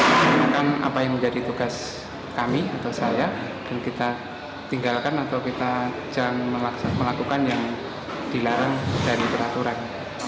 melaksanakan apa yang menjadi tugas kami atau saya dan kita tinggalkan atau kita jangan melakukan yang dilarang dari peraturan